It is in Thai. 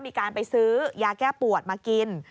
มีการไปซื้อยาแก้ปวดมากิน